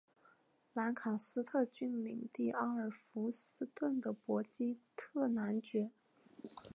兰卡斯特郡领地阿尔弗斯顿的伯基特男爵。